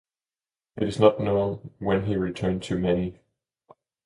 It is not known when he returned to Mani.